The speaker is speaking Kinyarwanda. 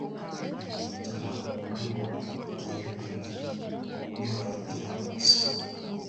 Ibyo bituma ibihugu bitandukanye bihafatira isomo